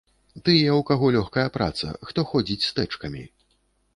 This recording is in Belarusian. Тыя, у каго лёгкая праца, хто ходзіць з тэчкамі.